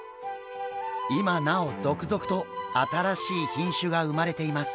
今なお続々と新しい品種が生まれています。